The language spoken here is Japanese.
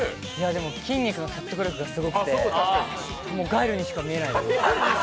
でも筋肉の説得力がすごくてガイルにしか見えないです。